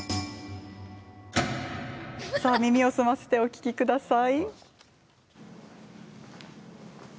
耳を澄ましてお聞きください。